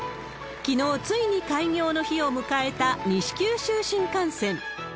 きのう、ついに開業の日を迎えた西九州新幹線。